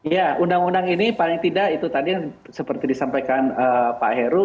ya undang undang ini paling tidak itu tadi yang seperti disampaikan pak heru